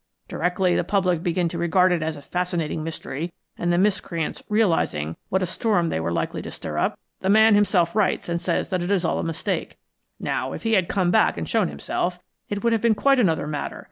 Directly the public began to regard it as a fascinating mystery and the miscreants realising what a storm they were likely to stir up, the man himself writes and says that it is all a mistake. Now, if he had come back and shown himself, it would have been quite another matter.